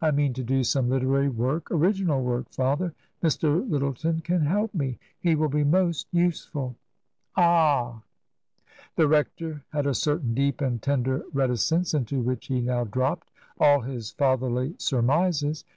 I mean to do some literary work — original work, father. Mr. Lyttleton can help me. He will be most useful." "Ahr The rector had a certain deep and tender reticence into which he now dropped all his fatherly surmises.